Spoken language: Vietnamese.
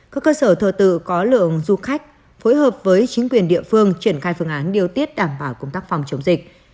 các cơ sở thờ tự có lượng du khách phối hợp với chính quyền địa phương triển khai phương án điều tiết đảm bảo công tác phòng chống dịch